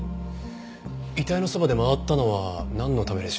遺体のそばで回ったのはなんのためでしょう？